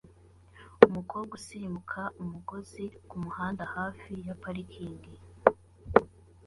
Umukobwa usimbuka umugozi kumuhanda hafi ya parikingi